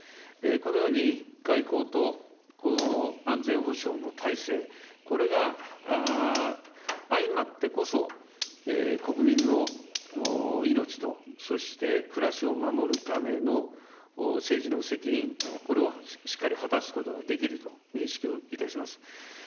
このように、外交と安全保障の体制、これが相まってこそ、国民の命と、そして暮らしを守るための政治の責任、これをしっかり果たすことができると認識をいたします。